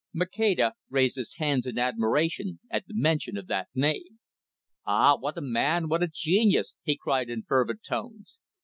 Maceda raised his hands in admiration at the mention of that name. "Ah, what a man, what a genius!" he cried in fervent tones.